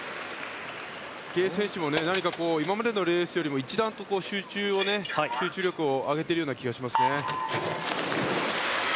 池江選手も何か今までのレースよりも一段と集中力を上げている気がします。